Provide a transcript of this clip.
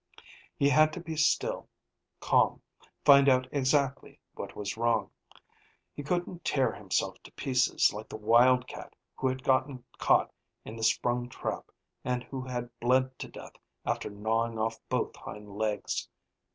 He had to be still, calm, find out exactly what was wrong. He couldn't tear himself to pieces like the wildcat who had gotten caught in the sprung trap and who had bled to death after gnawing off both hind legs.